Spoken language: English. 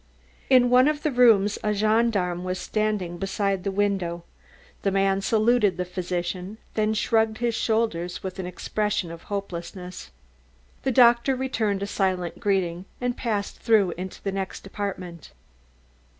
In one of the rooms a gendarme was standing beside the window. The man saluted the physician, then shrugged his shoulders with an expression of hopelessness. The doctor returned a silent greeting and passed through into the next apartment.